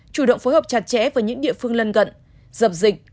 chủ động phối hợp chặt chẽ với những địa phương lân gận dập dịch